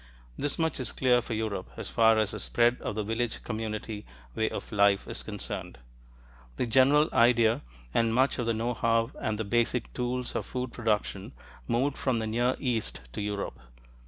This much is clear for Europe, as far as the spread of the village community way of life is concerned. The general idea and much of the know how and the basic tools of food production moved from the Near East to Europe.